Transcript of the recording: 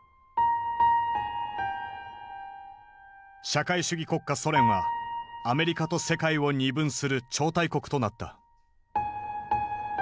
社会主義国家ソ連はアメリカと世界を二分する超大国となった。